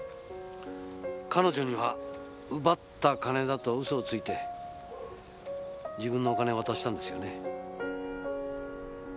彼女には奪った金だと嘘をついて自分のお金を渡したんですよね。